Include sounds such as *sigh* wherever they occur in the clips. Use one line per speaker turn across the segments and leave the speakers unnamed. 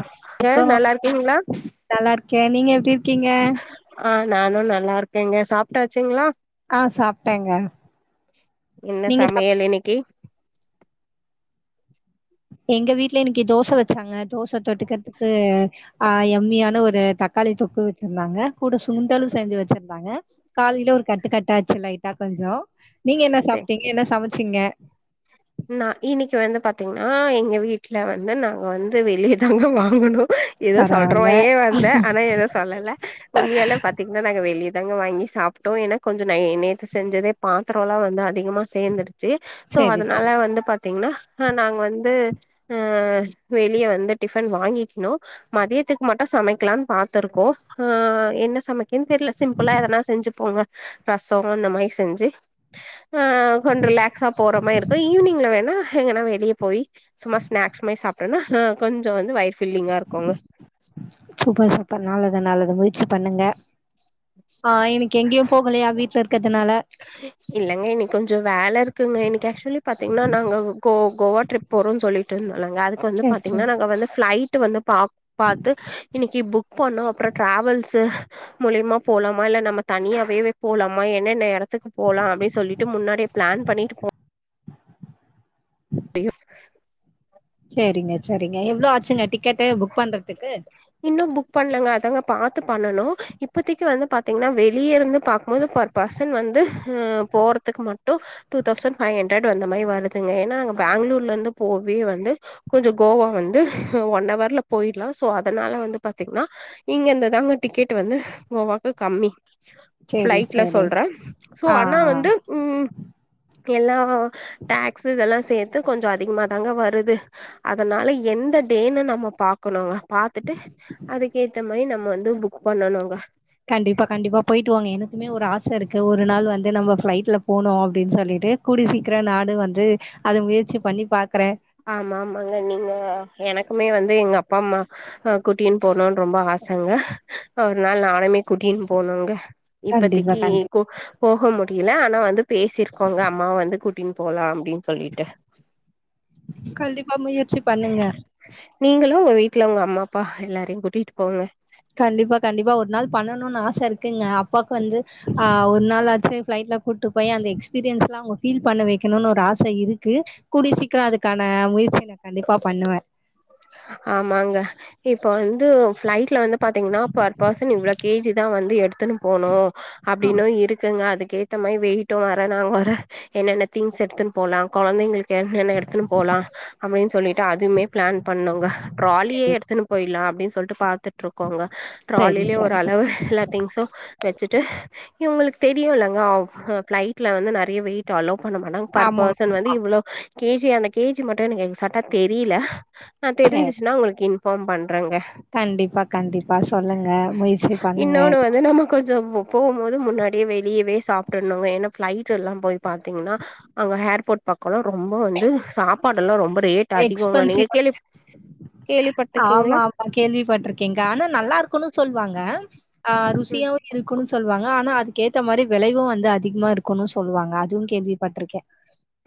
ஏங்க நல்லா இருக்கீங்களா
க்கே நீங்க எப்டி க்கீங்க
ஆ நானும் நல்லா இருக்கேங்க சாப்பிட்டாச்சுங்களா
ஆ சாப்பிட்டேங்க
என்ன
நீங்க
சமையல்
சாப்டிங்களா
இன்னைக்கு
எங்க வீட்டுல இன்னைக்கு தோசை வச்சாங்க தோசை தொட்டுக்கிறதுக்கு ஆ எம்மியான ஒரு தக்காளி தொக்கு வச்சிருந்தாங்க கூட சுண்டலும் செஞ்சு வச்சிருந்தாங்க காலையில ஒரு கட்டுக்கட்டாச்சு லைட்டா கொஞ்ச நீங்க என்ன
சே
சாப்பிட்டீங்க என்ன சமைச்சி சிங்க
நா இன்னைக்கி வந்து பாத்தீங்கன்னா எங்க வீட்ல வந்து நாங்க வந்து வெளியதாங்க வாங்கணும் ஏதோ சொல்ற
பரவால்ல
மாரியே வந்தே ஆனா ஏதும் சொல்லல உண்மையால பாத்தீங்கன்னா நாங்க வெளிய தாங்க வாங்கி சாப்பிட்டோம் ஏன்னா கொஞ்சம் நெ தேத்து செஞ்சதே பாத்திரம் எல்லா வந்து அதிகமா சேந்துடுச்சு சோ
செரி
அதனால
செரி
வந்து பாத்தீங்கன்னா அ நாங்க வந்து அ வெளிய வந்து டிஃபன் வாங்கிக்கணும் மதியத்துக்கு மட்டும் சமைக்கலாம்னு பா்த்திருக்கோம் ஆ என்ன சமைக்கன்னு தெரியல சிம்பிளா எதனா செஞ்சிப்போங்க ரசம் அந்த மாரி செஞ்சு ஹ் கொஞ்சம் ரிலாக்ஸா போற மாரி இருக் க்கும் ஈவினிங்ல வேணா எங்கன்னா வெளிய போய் சும்மா ஸ்னாக்ஸ் மாரி சாப் டோனா கொஞ்சே வந்து வயிறு ஃபில்லிங்கா இருக்குங்க
சூப்பர் சூப்பர் நல்லது நல்லது வி பண்ணுங்க ஆ இன்னைக்கு எங்கேயு போகலையா வீட்ல இருக்கறதுனால
இல்லங்க இன்னைக்கி கொஞ்சம் வேலை இருக்குங்க இன்னைக்கி ஆக்சுவலி பாத்தீங்கன்னா நாங்க கோ கோவா ட்ரிப் போறோம்னு சொல்லட்டு இருந்தோ நாங்க அதுக்கு வந்து
செரி
பாத்தீங்கன்னா
செரி
நாங்க வந்து ஃப்ளை ட்டு வந்து பா பாத்து இன்னைக்கி புக் பண்ணுனோம் அப்றோ டிராவல்ஸ் மூலியமா போலாமா இல்ல நம்ம தனியாவே போலாமா என்னென்ன இடத்துக்கு போலாம் அப்பிடின்னு சொல்லிட்டு முன்னாடியே பிளான் பண்ணிட்டு போ *unintelligible*
சேரிங்க செரிங்க எவ்ளோ ஆச்சுங்க டிக்கெட் டு புக் பண்றத்துக்கு
இன்னு புக் பண்லங்க அதாங்க பாத்து பண்ணனு இப்பத்தைக்கு வந்து பாத்தீங்னா வெளிய இருந்து பாக்கும்போது பெர் பெர்சன் வந்து உம் போறத்துக்கு மட்டு two thousand five hundred அந்த மாரி வருதுங்க ஏனா அங்க பெங்களூர்ல இருந்து போகவே வந்து கொஞ்ச கோவா வந்து அஹ் ஒன் அவர்ல போயிற்லா சோ அதனால வந்து பாத்தீங்னா இங்கருந்து தாங்க டிக்கெட் வந்து கோவாக்கு கம்மி
செரி
ஃபிளைட்ல
செரி
சொல்றே சோ
ஆ
அண்ணா
ஆ
வந்து உம் எல்லா டாக்ஸு இதெல்லா சேத் து கொஞ்ச அதிகமா தாங்க வருது அதனால எந்த டேனு நம்ம பாக்கணு பாத்துட்டு அதுக்கு ஏத்த மாரி நம்ம வந்து புக் பண்ணனுங்க
கண்டிப்பா கண்டிப்பா போயிட்டு வாங்க எனக்குமே ஒரு ஆச இருக்கு ஒரு நாள் வந்து நம்ம ஃபிளைட்ல போனு அப்டின் சொல்லிட்டு கூடிய சீக்கிர நானு வந்து அத முயற்சி பண்ணி பாக்குறே
ஆமா ஆமாங்க நீங்க எனக்குமே வந்து எங்க அப்பா அம்மா ஆஹ் கூட்டின் போனுன் ரொம்ப ஆசங்க ஒரு நாள் நானுமே கூட்டின் போனுங்க
கண்டிப்பா,
இப்பதைக்கு
கண்டிப்பா.
கொ போக மு டியல ஆனா வந்து பேசிருக்கோங்க அம்மாவ வந்து கூட்டின் போலா அப்டின் சொல்லிட்டு
கண்டிப்பா முயற்சி பண்ணுங்க
ங்களு ஒங்க வீட்ல ஒங்க அம்மாப்பா எல்லாரையு கூட்டிட்டு போங்க
சருக்குங்க அப் பாக்கு வந்து ஆஹ் ஒரு நாளாச்சுனா ஃப்ளைட்ல கூட்டுப் போய் அந்த எக்ஸ்பீரியன்ஸ்லா அவ்ங் ஃபீல் பண்ண வெக்கணுனு ஒரு ஆச இருக்கு கூடிய சீக்ரோ அதுக்கான முயற்சிய நா கண்டிப்பா பண்ணுவே
ஆமாங்க இப்ப வந்து ஃப்ளைட்ல வந்து பாத்தீங்னா பெர் பேர்சன் இவ்ளோ கே ஜி தா வந்து எடுத்துன்னு போனு
ஆ
அப்டின்னு இருக்குங்க அதுக் கேத்த மாரி வெயிட்டு வரனு வர என்னென்ன திங்ஸ் எடுத்துன் போலா கொழந்தைங்களுக்கு என்னென்ன எடுத்துன்னு போலா அப்டின் சொல்லிட்டு அதுமே பண்ணங்க ட்ராலியே
சரி,
எடுத்துன்னு போயிட்லா அப்டின் சொல்ட்டு பாத் த்துட்ருக்கோங்க
சரி,
ட்ராலிலே
சரி.
ஒரளவு எல்லா திங்ஸு வெச்சுட்டு இவ்ங்களுக்கு தெரியுல்லங்க அஃப் ஃபளைட்ல வந்து நெறைய வெயிட்டு அலோ பண்ணமாட்டாங்க பர்
ஆமா,
பேர்சன்
ஆமா.
வந்து இவ்ளோ கே ஜி அந்த கே ஜி மட்டு எனக்கு எக்சட்டா தெரில நா
சரி.
தெரிஞ்சிச்சுனா உங்களுக்கு இன் ஃபார்ம் பண்றங்க
கண்டிப்பா கண்டிப்பா சொல்லுங்க முயற்சி பண்ணுங்க
சோ மு போகும்மோது முன்னாடியே வெளியவே சாப்டர்னுங்க ஏன்னா ப்ளைட்டு எல்லா போய் பாாத்தீங்ன்னா அங்க ஹேர்போர்ட் பக்கோ ரொம்ப வந்து சாப்பாடுல்லா ரொம்ப ரேட் அதிகோங்க
எக்ஸ்பன்ஸீ
நீங்க கேள்வி
ஆமா
கேள்விப்பட்டிருக்கீங்களா
ஆமா கேள்விப்பட்ருக்கேங்க ஆனா நல்லார்க்கூன்னு சொல் வாங்க ஆ ருசியாவு இருக்குணு சு சொல்வாங்க ஆனா அதுக்கேத்த மாரி விளையு வந்து அதிகமா இருக்குன்னு சொல்லுவாங்க அதுவு கேள்விப்பட்ருக்கே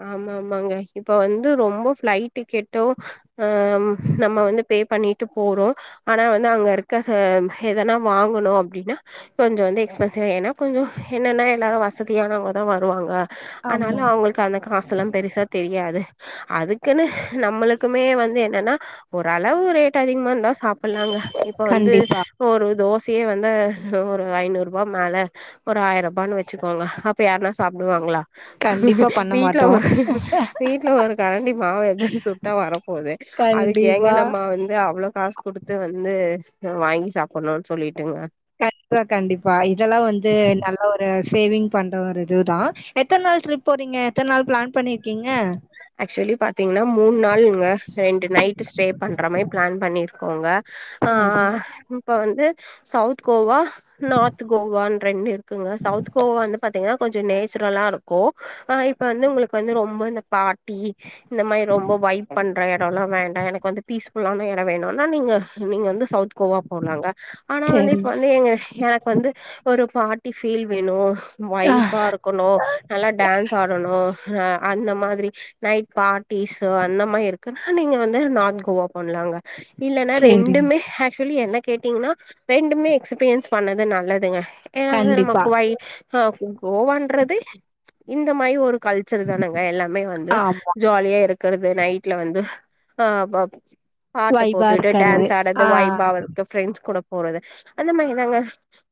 ஆமாமாங்க இப்ப வந்து ரொம்ப ஃப்ளைட் டிக்கெட்டு ஆம் நம்ம வந்து பே பண்ணீட்டு போறோ ஆனா வந்து அங்க இருக்க ச ம் ஹெதனா வாங்கணு அப்டின்னா கொஞ்சொ வந்து எக்ஸ்பன்சிவா ஏன்னா கொஞ்சொ என்னன்னா எல்லாரு வசதியானவுங்கதா வருவாங்க ஆனால
ஆமாங்க.
அவுங்களுக் காசுலா பெருசா தெரியாது அதுக்குன்னு நம்மளுக்குமே வந்து என்னன்னா ஒரளவு ரேட்டதிகமா இந்தா சாப்பட்லாங்க இப்ப வந்து
கண்டிப்பா.
இப்ப ஒரு தோஸ் சியோ வந்து ஒரு ஐநூ ரூபா மேல ஒரு ஆயரபான்னு வெச்சுக்கோங்க அப்ப யாருனா சாப்டுவாங்ளா
கண்டிப்பா பண்
வீடல ஒரு வீட்ல ஒரு கரண்டி மாவு எதுன்னு சுட்டா வரப்போது அதுக்கு
கண்டிப்பா.
எங்கனம்மா வந்து அவ்ளோ காஸ் குடுத்து வந்து வாங்கி சாப்பட்ணுன் சொல்லிட்டுங்க
கண்ப்பா கண்டிப்பா இதெல்லா வந்து நல்ல ஒரு சேவிங் பண்ற ஒரு இதுதா எத்த நாள் ட்ரிப் போறீங்க எத்தன் நாள் ப்ளான் பண்ணீர்
ஆக்சுவலி பாத்தீங்ன்னா மூணு நாள்ங்க ரெண்டு நைட் ஸ்டே பண்ற மாரி பிளான் பண்ணிருக்கோங்க ஆஹ்
சரி,
ஆஹ் இப்ப வந்து சவுத் கோவா நார்த் கோவானு ரெண்டு இருக் குங்க சவுத் கோவா வந்து பாத்தீங்கன்னா கொஞ்சம் நே ச்சுரலா இருக்கு ஆஹ் இப்ப வந்து உங்களுக்கு வந்து ரொம்ப பார்ட்டி இந்த மாரி ரொம்ப வைப் பண்ற எடலா வேண்டா எனக்கு வந்து பீஸ்ஃபுல்லான எட வேணுனா நீங்க நீங்க வந்து சவுத் கோவா போலாங்க ஆனா வந்து
சரி.
இப்ப வந்து எக் வந்து ஒரு பார்ட்டி ஃபீல் வேணு வைபா இருக்கணு நல்லா டான்ஸ் ஆடணு ஆஹ் அந்த மா திரி நைட் பார்ட் டி சோ அந்த மாரி இருக்கு நீங்க வந்து நார்த் கோவா பண்லாங்க இல்லன்னா
சரிங்க.
ரெண்டுமே ஆக்சுவலி எனக் கேட்டீங்கன்னா ரெண்டுமே எக்ஸ்பீரியன்ஸ் பண்ணது நல்லதுங்க ஏ வந்து
கண்டிப்பா.
நமக்கு வய் அ கோவான்றது இந்த மாரி ஒரு கல்ச்சர் தானுங்க மே வந்து
ஆமா.
ஜாலியா இருக்குறது நைட்ல வந்து ஆ பப் பாட்ட
வைபா
போட்டுக்கிட்டு
இருக்கிறது.
டான்ஸ் ஆடறது
ஆ.
வைபா அவர்க்கு ஃப்ரெண்ட்ஸ் கூட போறது அந்த மாரி நாங்க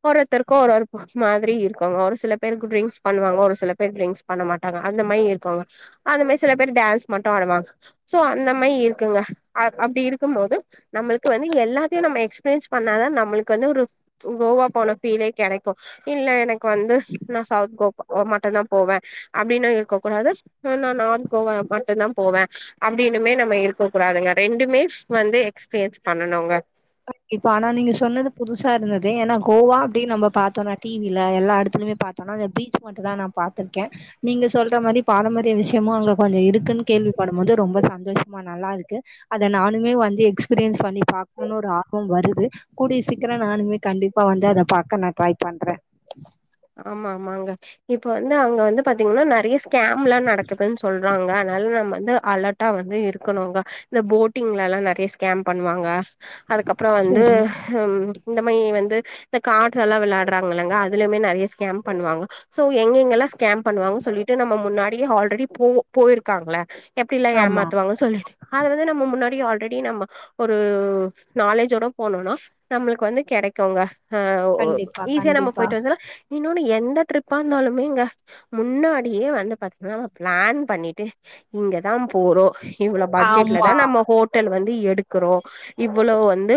ஒவ்வோர்த்தருக்கோ ஒரு ஒரு மாரி இருக்கோங்க ஒரு சில பேருக்கு ட்ரிங்க்ஸ் பண்ணுவாங்க ஒரு சில பேர் டிரிங்க்ஸ் பண்ண மாட்டாங்க அந்த மாரி இருக்கோங்க அந்த மாரி சில பேர் டான்ஸ் மட்டோ ஆடுவாங்க சோ அந்த மாயி இருக்குங்க அ அப்டி இருக்கும் போது நம்மளுக்கு வந்து எல்லாத்தையும் நம்ம எக்ஸ்பீரியன்ஸ் பண்ணாதான் நம்மளுக்கு வந்து ஒரு கோவா போன ஃபீலே கெடைக்கும் இல்ல எனக்கு வந்து நான் சவுத் கோ மட்டுந்தா போவேன் அப்டினோ இருக்க கூடாது ஆ நான் நார்த் கோவா மட்டுந்தா போவேன் அப்படின்னுமே நம்ம இருக்க கூடாதுங்க ரெண்டுமே வந்து எக்ஸ்பீரியன்ஸ் பண்ணனுங்க
இப்ப ஆனா நீங்க சொன்னது புதுசா இருந்தது ஏன்னா கோவா அப்டினு நம்ம பாத்தோனா டி வில எல்லா இடத்துலயுமே பாத்தோனா அந்த பீச் மட்டும் தா நான் பாத்திருக்க நீங்க சொல்ற மாரி பாரம்பரிய விஷயமோ அங்க கொஞ்சோ இருக்குன்னு கேள்விப்பட போது ரொம்ப சந்தோஷமா நல்லா இருக்கு அத நானுமே வந்து எக்ஸ்பீரியன்ஸ் பண்ணி பார் கனு ஒரு ஆர்வம் வருது கூடிய சீக்கிரம் நானுமே கண்டிப்பா வந்து அத பாக்க நா ட்ரை பண்ற
ஆமா ஆமாங்க இப்ப வந்து அங்க வந்து பாத்தீங்கன்னா நறையா ஸ்கேம்லாம் நடக்குதுன்னு சொல்றாங்க அதனால நம்ம வந்து அலெர்ட்டா வந்து இருக்கணுங்க இந்த போட்டிங்லலா நறையா ஸ்கேம் பண்ணுவாங்க அதுக்கப்புறோ வந்து
சரி.
ம் இந்த மாரி வந்து இந்த கார்ட்லலா வெளயாடுறாங்க இல்லங்க அதுலயுமே நறைய ஸ்கேம் பண்ணுவாங்க சோ எங்க எங்கெல்லாம் ஸ்கேம் பண்ணுவாங்கு சொல்லிட்டு நம்ம முன்னாடியே ஆல்ரெடி பூ போ போயிருக்காங்கள எப்படில்லா
ஆமா.
ஏமாத்துவாங்கன் சொல்லிட்டு அது வந்து நம்ம முன்னாடி ஆல்ரெடி நம்ம ஒரு நாலேஜோட போனோம்னா நம்மளுக்கு வந்து கெடைக்கோங்க ஆ ஒ
கண்டிப்பா,
ஈஸியா நம்ம
கண்டிப்பா.
போயிட்டு வந்தர்லா இன்னொனு எந்த ட்ரிப்பா இருந்தாலுமேங்க முன்னாடியே வந்து பாத்தீங்கன்னா பிளான் பண்ணிட்டு இங்கதா போறோ இவ்ளோ
ம்.
பட்ஜெட்லதா
ஆமா.
நம்ம ஹோட்டல் வந் எடுக்கறோ இவ்ளோ வந்து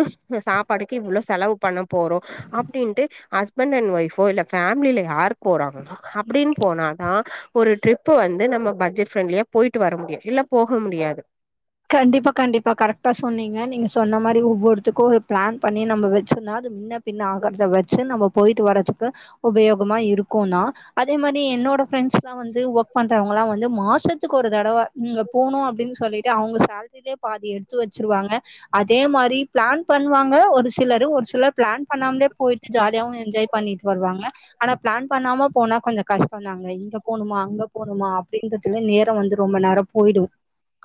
சாப்பாடுக்கு இவ்வளோ செலவு பண்ண போறோ அப்படின்ட்டு ஹஸ்பண்ட் அண்ட் ஒய்ஃபோ இல்ல ஃபேமிலில யாரு போறங்கன அப்படின் போனாதா ஒரு ட்ரிப்பு வந்து நம்ம பட்ஜெட் ஃப்ரெண்ட்லியா போயிட்டு வர முடியோ இல்ல போக முடியாது
கண்டிப்பா கண்டிப்பா கரெக்ட்டா சொன்னீங்க நீங்க சொன்ன மாரி ஒவ்வோர்த்துக்கோ ஒரு பிளான் பண்ணி நம்ம வெச்சிருந்தா அது முன்ன பின்ன ஆகறத வெச்சு நம்ம போயிட்டு வரத்துக்கு உபயோகமா இருக்குனா அதே மாரி என்னோட பிரெண்ட்ஸ்லா வந்து ஒர்க் பண்றவங்ளா வந்து மாசத்துக்கு ஒரு தடவ இங்க போணோ அப்டினு சொல்லிட் அவுங்க சேல்ரிலயே பாதி எடுத்து வெச்சிருவாங்க அதே மாரி பிளான் பண்ணுவாங்க ஒரு சிலரு ஒரு சிலர் பிளான் பண்ணாம்லே போயிட்டு ஜாலியாவோ என்ஜாய் பண்ணிட்டு வருவாங்க ஆனா பிளான் பண்ணாம போனா கொஞ்சோ கஷ்டந்தாங்க இங்க போணுமா அங்க போணுமா அப்படின்றதுலே நேரோ வந்து ரொம்ப நேரோ போயிடோ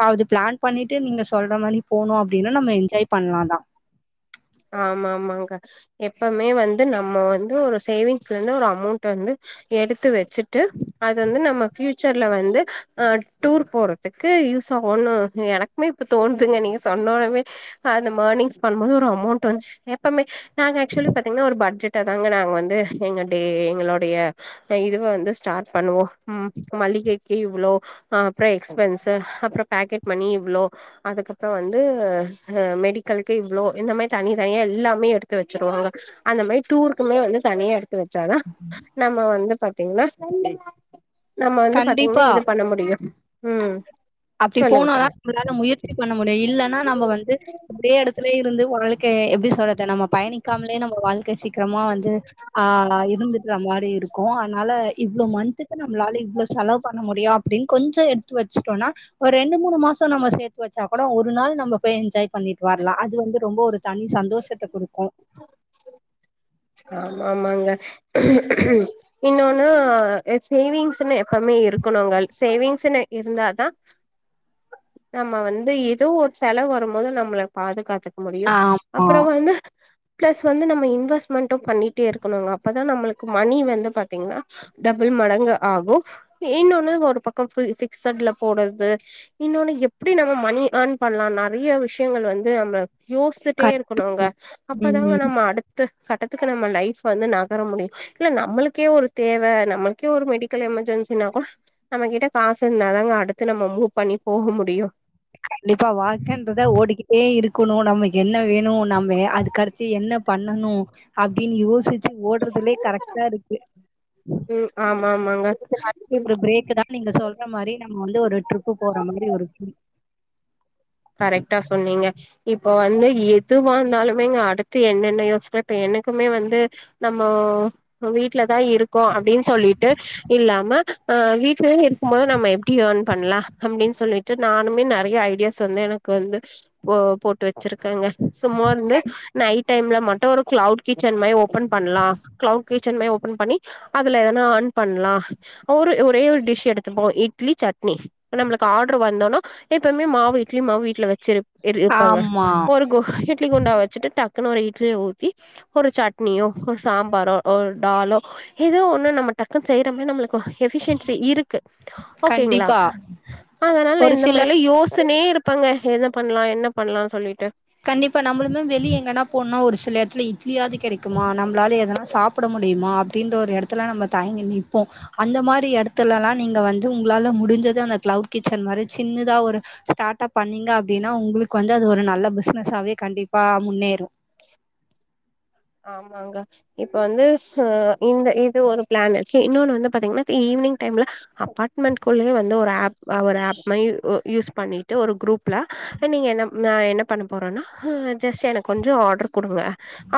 அது பிளான் பண்ணிட்டு நீங்க சொல்ற மாரி போனோ அப்டீனா நம்ம என்ஜாய் பண்லா தா
ஆமா ஆமாங்க எப்பமே வந்து நம்ம வந்து ஒரு சேவிங்ஸ்ல இருந்து ஒரு அமௌண்ட் வந்து எடுத்து வெச்சுட்டு அது வந்து நம்ம ஃபியூச்சர்ல வந்து அ டூர் போறதுக்கு யூஸ் ஆவோனு எனக்குமே இப்ப தோணுதுங்க நீங்க சொன்ன ஒன்னமே அந்த எர்னிங்ஸ் பண்ணும்போது ஒரு அமௌண்ட் எப்பமே நாங்க ஆக்சுவலி பாத்தீங்கன்னா ஒரு பட்ஜெட்ட தாங்க நாங்க வந்து எங்க டே எங்களுடைய இது வந்து ஸ்டார்ட் பண்ணுவோ மளிகைக்கு இவ்ளோ அப்றோ எக்ஸ்பென்ஸ் அப்புறோ பேக்கெட் மணி இவ்ளோ அதுக்கப்புறோ வந்து மெடிக்கலுக்கு இவ்ளோ இந்த மேரி தனி தனியா எல்லாமே எடுத்து வெச்சுருவோங்க அந்த மாரி டூருக்குமே வந்து தனியா எடுத்து வெச் *unintelligible* நம்ம வந்து பக் எவ்ளோ நம்ம வந்து பாத்தீங்கன்னா இது பண்ண முடியோ
அப்படி போனாதா நம்மளால முயற்சி பண்ண முடியு இல்லன்னா நம்ம வந்து இதே எடத்துலயே இருந்து ஒர் உங்குளுக்கு எப்படி சொல்ற இத நாம பயணிக்காமலே நம்ம வாழ்க்கை சிக் க்கிரமா வந்து ஆஹ் இருந்துட்டு நம்வாடு இருப் குவ னால இவ்வளோ மன்த்க்கு நம்ளால இவ்ளவு செலவ் பண்ண முடி முடியு அப்டினு கொஞ்சம் எடுத்து த்து வெச்சுட்டோனா ஒரு ரெண்டு மூணு மாசோ நம்ம சேர்த்து வச்சா கூட ஒரு நாள் நம்ம போய் என்ஜாய் பண்ணிட்டு வரலா அது வந்து ரொம்ப ஒரு தனி சந்தோஷத்த குடுக்கு உ
ஆமாங்க இன்னோனு சேவிங்ஸ்ன்னு எப்பமே இருக்கணுங்க சேவிங்ஸ்ன்னு இருந்தாதா நம்ம வந்து ஏதோ ஒரு செலவு வரும்போது நம்மள பாதுகாத்துக் முடியு
ஆமா
அப்பறோ வந்து பிளஸ் வந்து நம்ம இன்வெஸ் இன்வெஸ்டுமண்டும் பண்ணிட்டே இருக்கணுங்க அப்பதா நம்மளுக்கு மணி வந்து பத்தீங்கன்னா டபுள் மடங்கு ஆகும் இன்னொன்னு ஒரு பக்கம் ஃபிக்ட்ல போடுறது இன்னொன்னு எப்படி நம்ம மணி ஏர்ன் பண்ணலா நறைய விஷயங்கள் வந்து நம்ம யோசித்துட்டே
க
இருக்கணும்ங்க
ம்
அப்பதாங்க நம்ம அடுத்து கட்டத்துக்கு நம்ம லைஃப் வந்து நகர முடியும் இல்ல நம்மளுக்கே ஒரு தேவ நம்மளுக்கே ஒரு மெடிக்கல் எமர்ஜென்சினா கூட நம்ம கிட்ட காசு இருந்தாதாங்க அடுத்து நம்ம மூவ் பண்ணி போக முடியும்
கண்டிப்பா வாழ்கன்றது ஓடிக்கிட்டே இருக் கணும் நம்ம என்ன வேணும் நம்ம அதுகடுத்து என்ன பண்ணணு அப்படின் யோசிச் ஓடுறதுலே கரெக்டா இருக்கு
ம் ஆமா ஆமாங்க இப்
பிரேக் தான் நீங்க சொல்ற மாரி நம்ம வந்து ஒரு டிரிப்பு போற மாரி ஒரு
கரெக்ட்டா சொன்னீங்க இப்ப வந்து எதுவானாலுமே இங்க அடுத்து என்னென்ன யோசிக்க இப்ப எனக்குமே வந்து நம்ம வீட்டுல தா இருக்கோ அப்படின்னு சொல்லிட்டு இல்லாம அஹ் வீட் வீட்லேயே இருக்கும் போது நம்ம எப்படி ஏர்ன் பண்ணலாம் அப்படின்னு சொல்லிட்டு நான் இன்னுமே நறைய ஐடியாஸ் சொந்து எனக்கு வந்து போட்டு வேச்சிருக்கேங்க சும்மா இருந்து நைட் டைம்ல மட் ஒரு கிளவுட் கிச்சன் மாரி ஓபன் ஓப்பன் பண்ணலாம் கிளவுட் கிச்சன் மாரி ஓபன் பண்ணி அதுல வேனா ஏர்ன் பண்ணலாம் அவரு ஒரே ஒரு டிஷ் எடுத்து இட்லி சட்னி நம்மளுக்கு ஆர்டர் வந்தோனா எப்பவுமே மாவுட் இட்லி மாவு வீட்ல வெச்சிரு இரு இருப்பாங்க
ஆமா.
ஒரு இட்லி குண்டா வெச்சுட்டு டக் ஒரு இட்லிய ஊத்தி ஒரு சட்னியோ ஒரு சாம்பாரோ ஒரு டாலோ ஏதோ ஒண்ணும் நம்ம டக்குன்ன செய்யிறோமே நம்மளு எபிஷியன்சி இருக்கு ஓகேங்களா
கண்டிப்பா.
அதனால
ஒரு
இந்த
சில
மாதிரில யோசனே இருப்ப எது பண்ணலா என்ன பண்ணலாம்னு சொல்லிட்டு
கண்டிப்பா நம்மளுமே வெளிய எங்கன்னா பொண்ணா ஒருசில இட்லி இட்லியாவது கிடைக்குமா நம் ன்னால எதாது சாப்பிட முடியுமா அப்டின் ஒரு எடத்துல நம்ம தயங்கி நிப்போ அந்த மாரி எடத்துலலா நீங்க வந்து உங்களால முடி்ஞ்சத அந்த கிளவுட் கிச்சன் மாரி சின்னதா ஒரு ஸ்டார்ட் அப் பன்னிங்க அப்படின்னா உங்களுக்கு வந்து அது ஒரு நல்ல பிஸ்ன னஸ் ஆவே கண்டிப்பா முன்னேறும்
ஆமாங்க இப்ப வந்து ஹ இந்த இது ஒரு பிளான் இருக்கு இன்னொன்னு வந்து பாத்தீங்கன்னா ஈவினிங் டைம்ல அப்பார்ட்மெண்ட்குள்ளயே வந்து ஒரு ஆப் ஒரு ஆப்மாரி யூஸ் பண்ணிட்டு ஒரு குரூப்ல நா என்ன நா என்ன பண்ண போறோனா ஜஸ்ட் எனக்கு கொஞ்ச ஆர்டர் கொடுங்க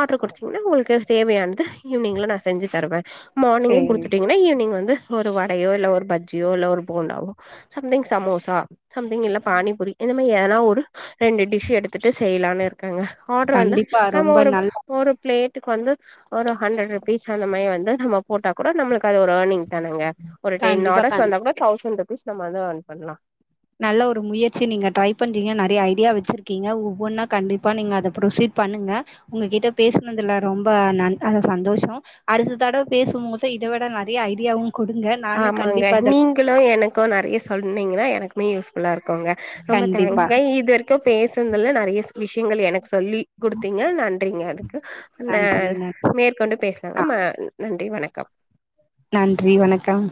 ஆர்டர் குடுத் ன உங்களுக்கு தேவையானது ஈவினிங்ல நா செஞ்சு தருவே மார்னிங்கே
சேரி
குடுத்துட்டீங்கன்னா ஈவினிங் வந்து ஒரு வடையோ இல்ல ஒரு பஜ்ஜியோ இல்ல ஒரு போண்டாவோ சம்திங் சமோசா சம்திங் இல்ல பானிபுரி இந்த மாதிரி ஏதனா ஒரு ரெண்டு டிஷ் எடுத்துட்டு செய்யலானு இருக்கங்க ஆர்டர் வந்து
கண்டிப்பா
நம்ம
ரொம்ப
ஒரு
நல்ல
ஒரு ரேட்டுக்கு வந்து ஒரு ஹண்ட்ரட் ருபீஸ் அந்த மாதிர வந்து நம்ம போட்டா கூட நம்மளுக்கு அது ஒரு யேர்னிங் தானங்க ஒரு டென்
கண்டிப்பா கண்
ஆர்டர்ஸ் வந்தா கூட தௌசண்ட் அட்லீஸ்ட் அது யேர்ன் பண்ணலா
நல்ல ஒரு முயற்சி நீங்க ட்ரை பண்றீங்க நறைய ஐடியா வச்சிருக்கீங்க ஒவ்வொன்னா கண்டிப்பா நீங்க அத ப்ரொசீட் பண்ணுங்க உங்ககிட்ட பேசுனதுல ரொம்ப சந்தோஷ அடுத்த தடவ பேசும் போது இத விட நறைய ஐடியாவும் குடுங்க நானு
ஆமாங்க
கண்டிப்பா அதுல
நீங்களு எனக்கு நறைய சொல் ன்னிங்கன்னா எனக்குமே யூஸ் ஃபுல்லா இருக்குங்க ரொம்ப
கண்டிப்பா
தேங்க்ஸ்ங்க இது வரைக்கு பேசுனதுல நறைய விஷ் ங்கள் எனக்கு சொல்லி குடுத்தீங்க நன்றிங்க அதுக்கு ம
நன்றி நன்றி
மேற்கொண்டு பேசுலாங்க
ஆ
ம நன்றி வணக்கம் க்கம்
நன்றி வணக்கம்